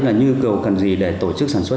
là nhu cầu cần gì để tổ chức sản xuất